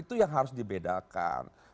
itu yang harus dibedakan